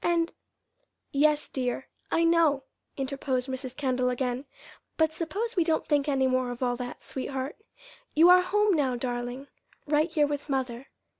And " "Yes, dear, I know," interposed Mrs. Kendall again; "but suppose we don't think any more of all that, sweetheart. You are home now, darling, right here with mother.